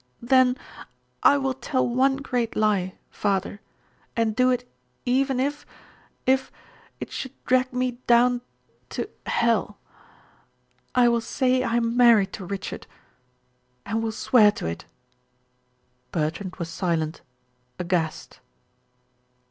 "Then I will tell one great lie father and do it even if if it should drag me down to hell. I will say I am married to Richard and will swear to it." Bertrand was silent, aghast.